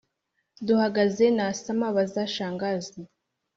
duhagaze nasamaBaza Shangazi